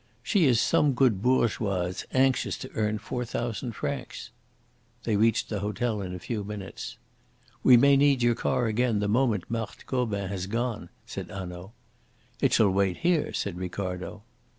"She is some good bourgeoise anxious to earn four thousand francs." They reached the hotel in a few minutes. "We may need your car again the moment Marthe Gobin has gone," said Hanaud. "It shall wait here," said Ricardo.